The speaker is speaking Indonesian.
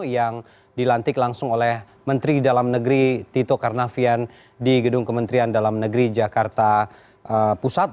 yang dilantik langsung oleh menteri dalam negeri tito karnavian di gedung kementerian dalam negeri jakarta pusat